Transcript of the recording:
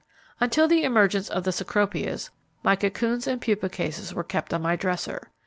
Until the emergence of the Cecropias, my cocoons and pupa cases were kept on my dresser.